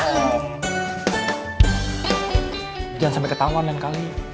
jangan sampai ketauan lain kali